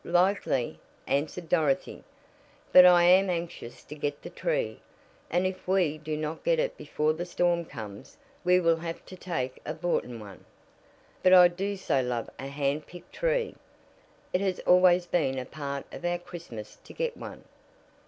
"Likely," answered Dorothy, "but I am anxious to get the tree, and if we do not get it before the storm comes we will have to take a boughten one. But I do so love a hand picked tree. It has always been a part of our Christmas to get one."